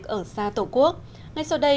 mọi thứ được mua lại ở đây